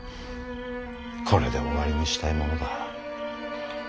これで終わりにしたいものだ。